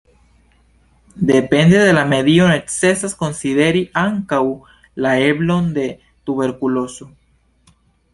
Depende de la medio necesas konsideri ankaŭ la eblon de tuberkulozo.